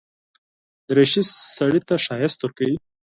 دریشي سړي ته ښايست ورکوي.